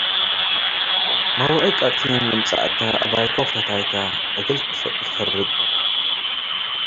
መውዒ-ቀጢን ልምጽአከ፣ አባይከ ወፈታይከ እግል ትፈርግ።